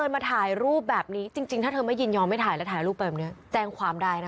มาถ่ายรูปแบบนี้จริงถ้าเธอไม่ยินยอมไม่ถ่ายแล้วถ่ายรูปไปแบบนี้แจ้งความได้นะคะ